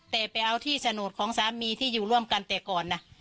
แต่ไปเอาที่โฉนดของสามีที่อยู่ร่วมกันแต่ก่อนนะ